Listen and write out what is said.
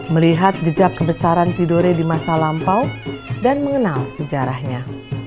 melihat jejak kebesaran tidore di masa lampau dan mengenal sejarahnya